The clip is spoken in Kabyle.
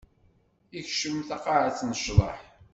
Ikcem taqaɛet n ccḍeḥ.